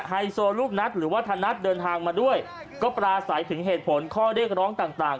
ไฮโซลูกนัทหรือว่าธนัทเดินทางมาด้วยก็ปราศัยถึงเหตุผลข้อเรียกร้องต่างต่าง